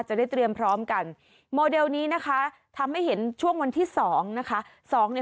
จะได้เตรียมพร้อมกันโมเดลนี้นะคะทำให้เห็นช่วงวันที่๒นะคะ